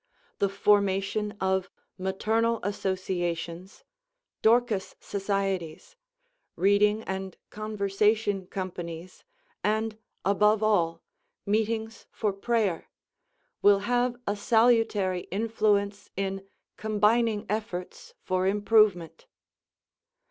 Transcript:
The formation of Maternal Associations, Dorcas Societies, Reading & Conversation Companies, and above all, Meetings for Prayer will have a salutary influence in combining efforts for improvement.